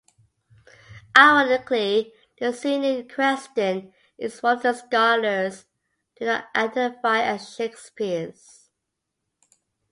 Ironically, the scene in question is one that scholars do not identify as Shakespeare's.